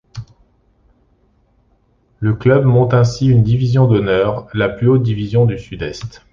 Le club monte ainsi en division d'honneur, la plus haute division du Sud-Est.